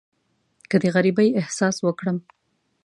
که د غریبۍ احساس وکړم.